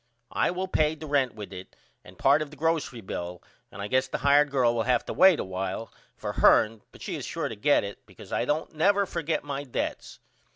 I will pay the rent with it and part of the grocery bill and I guess the hired girl will have to wait a while for hern but she is sure to get it because I don't never forget my debts.